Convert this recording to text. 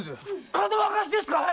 かどわかしですかい